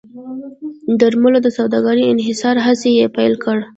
درملو د سوداګرۍ انحصار هڅې یې پیل کړې.